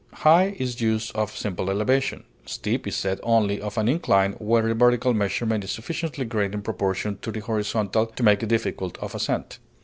High is used of simple elevation; steep is said only of an incline where the vertical measurement is sufficiently great in proportion to the horizontal to make it difficult of ascent.